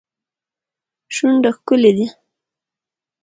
شونډه ښکلې دي.